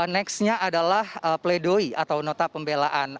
next nya adalah pledoi atau nota pembelaan